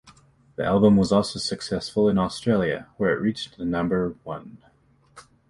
The album was also successful in Australia, where it reached number one.